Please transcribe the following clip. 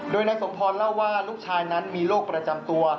โดยนายสมพรเล่าว่าลูกชายนั้นมีโรคประจำตัว